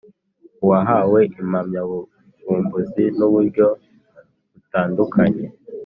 uwahawe impamyabuvumbuzi n uburyo butandukanye